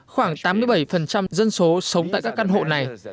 khoảng tám mươi bảy dân số sống tại các căn hộ này